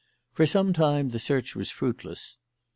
For some time the search was fruitless.